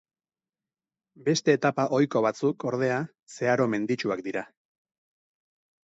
Beste etapa ohiko batzuk, ordea, zeharo menditsuak dira.